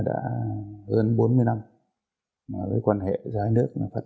được lợi thì đáng nhất